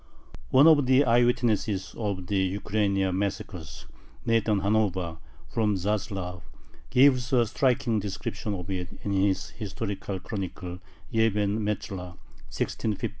One of the eye witnesses of the Ukraina massacres, Nathan Hannover, from Zaslav, gives a striking description of it in his historical chronicle Yeven Metzula (1653).